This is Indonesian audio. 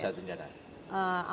aman mineral nusa tenggara